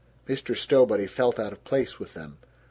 Mr. Stowbody felt out of place with them.